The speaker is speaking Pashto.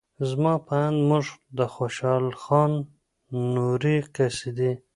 زما په اند موږ د خوشال خان نورې قصیدې